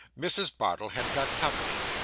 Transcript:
Mrs. Bardell had got company. Mr.